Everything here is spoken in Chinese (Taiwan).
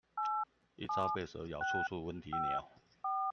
一朝被蛇咬，處處聞啼鳥